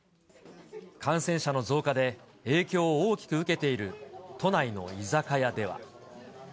感染者の増加で、影響を大きく受けている都内の居酒屋では。